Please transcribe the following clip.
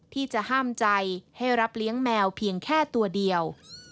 ที่จะห้ามใจให้รับเลี้ยงแมวเพียงแค่ตัวเดียว